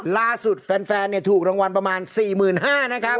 แฟนถูกรางวัลประมาณ๔๕๐๐นะครับ